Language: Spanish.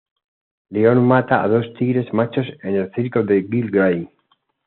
León mata a dos tigres machos en el circo de Gil Gray.